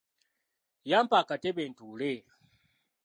Yampa akatebe ntuule.